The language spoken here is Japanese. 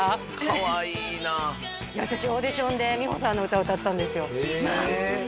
かわいいなあいや私オーディションで美穂さんの歌歌ったんですよまあ！